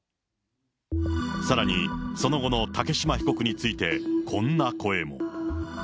さらに、その後の竹島被告について、こんな声も。